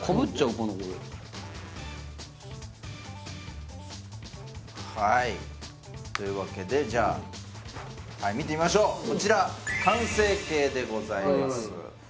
これはいというわけでじゃあはい見てみましょうこちら完成形でございます